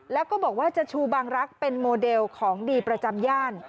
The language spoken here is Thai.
แล้วก็บอกว่าจะชูบางรักษ์เป็นโมเดลของดีประจำย่าน